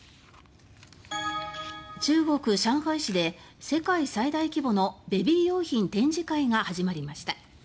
中国・上海市で世界最大規模のベビー用品展示会が始まりました